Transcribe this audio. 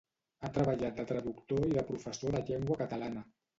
Ha treballat de traductor i de professor de llengua catalana.